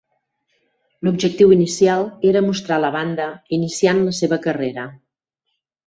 L'objectiu inicial era mostrar la banda iniciant la seva carrera.